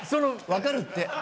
わかるって。